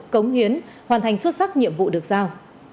cống hiến hoàn thành xuất sắc nhiệm vụ được giao